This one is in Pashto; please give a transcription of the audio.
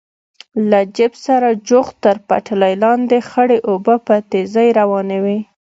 له جېپ سره جوخت تر پټلۍ لاندې خړې اوبه په تېزۍ روانې وې.